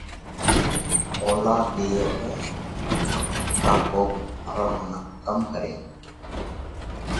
اولاڌ ۮي هيڪئه؟ ڪا ڪوڪ مرل منک ڪم ڪرينَ